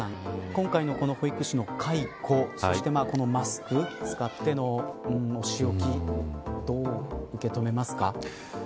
今回のこの保育士の解雇そしてマスクを使ってのお仕置きどう受け止めますか。